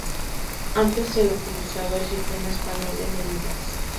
Antes se utilizaba el sistema español de medidas.